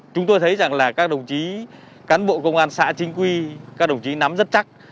chúng tôi thấy rằng là các đồng chí cán bộ công an xã chính quy các đồng chí nắm rất chắc